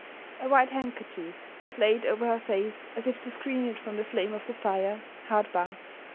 A white handkerchief was laid over her face as if to screen it from the flame of the fire hard by.